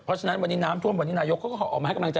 เพราะฉะนั้นวันนี้น้ำท่วมวันนี้นายกเขาก็ออกมาให้กำลังใจ